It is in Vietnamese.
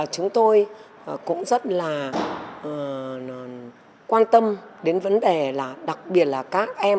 chúng tôi cũng rất là quan tâm đến vấn đề là đặc biệt là các em